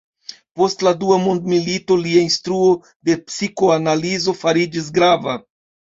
Post la dua mondmilito lia instruo de psikoanalizo fariĝis grava.